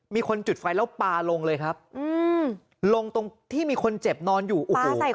มีคนจุดไฟแล้วปลาลงเลยครับอืมลงตรงที่มีคนเจ็บนอนอยู่โอ้โห